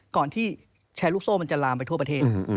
ก่อนที่แชร์ลูกโซ่มันจะลามไปทั่วประเทศ